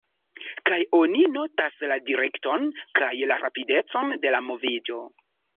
Kaj oni notas la direkton kaj la rapidecon de la moviĝo.